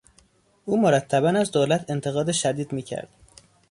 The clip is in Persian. او مرتبا از دولت انتقاد شدید میکرد.